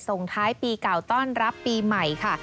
ส่งท้ายปีเก่าต้อนรับปีใหม่ค่ะ